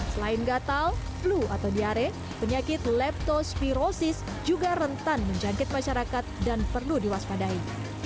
selain gatal flu atau diare penyakit leptospirosis juga rentan menjangkit masyarakat dan perlu diwaspadai